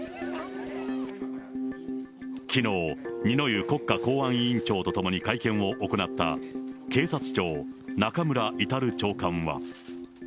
きのう、二之湯国家公安委員長と共に会見を行った、警察庁、中村格長官は。